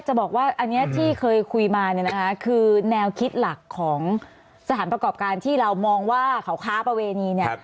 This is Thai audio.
จะบอกว่าอันนี้ที่เคยคุยมาคือแนวคิดหลักของสถานประกอบการที่เรามองว่าขาประเวณี